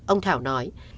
ông thảo nói